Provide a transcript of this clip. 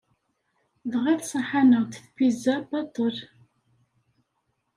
Dɣa tṣaḥ-aneɣ-d tpizza baṭel.